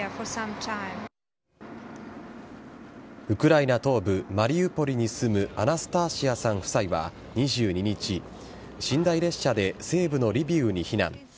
ウクライナ東部マリウポリに住むアナスターシアさん夫妻は２２日、寝台列車で西部のリビウに避難。